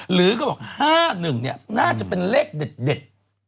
หรือก็บอก๕๑น่าจะเป็นเลขเด็ด